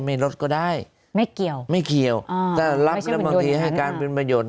ลดก็ได้ไม่เกี่ยวไม่เกี่ยวอ่าถ้ารับแล้วบางทีให้การเป็นประโยชน